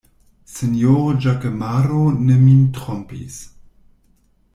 Sinjoro Ĵakemaro ne min trompis!